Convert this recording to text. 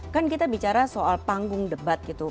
kan kita bicara soal panggung debat gitu